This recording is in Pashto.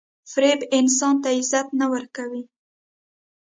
• فریب انسان ته عزت نه ورکوي.